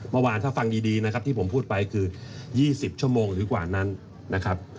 เมื่อวานถ้าฟังดีนะครับที่ผมพูดไปคือ๒๐ชั่วโมงหรือกว่านั้นนะครับ